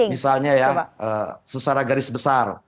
misalnya ya secara garis besar